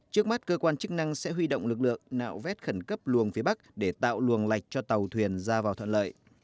trước mắt cơ quan chức năng sẽ huy động lực lượng nạo vét khẩn cấp luồng phía bắc để tạo luồng lạch cho tàu thuyền ra vào thuận lợi